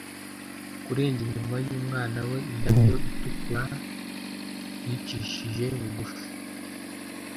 Kurenza iminwa yumwana we indabyo itukura yicishije bugufi